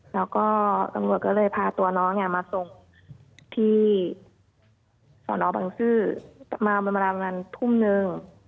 แล้วก็ตำรวจก็เลยพาตัวน้องมาส่งที่สนบังซื้อประมาณทุ่มหนึ่ง